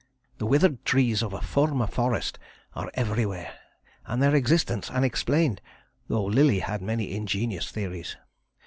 The withered trees of a former forest are everywhere and their existence unexplained, though Lillie had many ingenious theories.